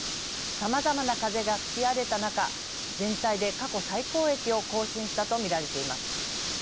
さまざまな風が吹き荒れた中全体で過去最高益を更新したと見られています。